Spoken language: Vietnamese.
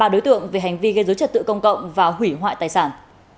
ba đối tượng về hành vi gây dối trật tự công cộng và hủy hoại tài sản